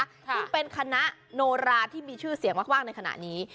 ซึ่งเป็นคณะโนราที่มีชื่อเสียงมากในขณะนี้